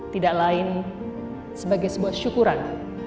tidak lain sebagai sebuah syukuran